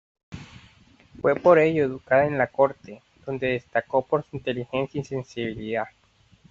Fue por ello educada en la Corte, donde destacó por su inteligencia y sensibilidad.